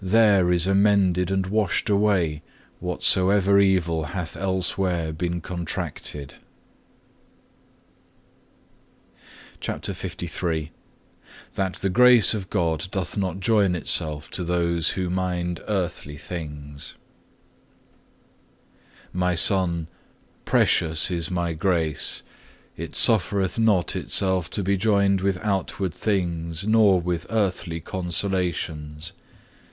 There is amended and washed away whatsoever evil hath elsewhere been contracted. (1) Romans ix. 23. (2) Job x. 20, 21. (3) Luke xv. 20. (4) Psalm li. 17. CHAPTER LIII That the Grace of God doth not join itself to those who mind earthly things "My Son, precious is My grace, it suffereth not itself to be joined with outward things, nor with earthly consolations.